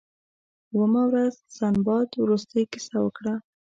اوومه ورځ سنباد وروستۍ کیسه وکړه.